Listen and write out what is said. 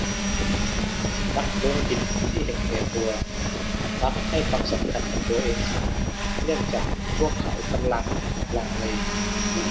นักธุรกิจที่เห็นแก่ตัวมักให้ความสำคัญกับตัวเองเสมอเนื่องจากพวกเขากำลังลังเล